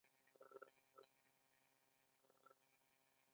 آیا کاناډا په ارکټیک کې ګټې نلري؟